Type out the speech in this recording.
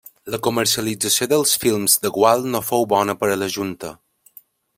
La comercialització dels films de Gual no fou bona per a la Junta.